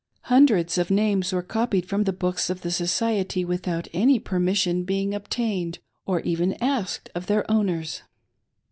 Hundreds of names were copied from the books of the Society without any permission being obtained, or even asked, of their owners.